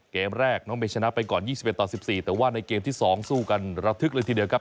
เกมแรกน้องเมย์ชนะไปก่อน๒๑ต่อ๑๔แต่ว่าในเกมที่๒สู้กันระทึกเลยทีเดียวครับ